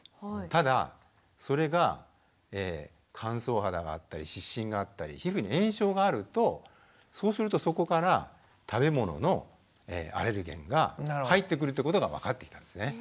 ただそれが乾燥肌があったり湿疹があったり皮膚に炎症があるとそうするとそこから食べ物のアレルゲンが入ってくるってことが分かってきたんですね。